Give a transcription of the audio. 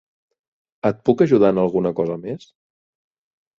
Et puc ajudar en alguna cosa més?